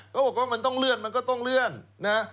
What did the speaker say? เขาบอกว่ามันต้องเลื่อนมันก็ต้องเลื่อนนะ